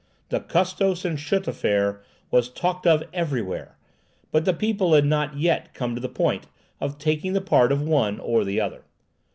The Custos and Schut affair was talked of everywhere, but the people had not yet come to the point of taking the part of one or the other.